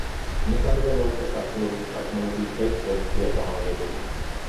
მესამე და მეოთხე სართულებზე სარკმელები ერთ ღერძზეა განლაგებული.